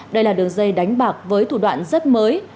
đây là đường dây đánh bạc với thủ đoạn rất mới